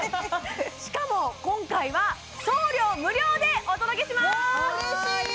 しかも今回は送料無料でお届けします嬉しい！